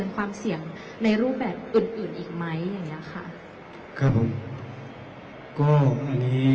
คุณอยู่ในโรงพยาบาลนะ